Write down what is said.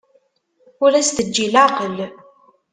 Ur as-teǧǧi leɛqel!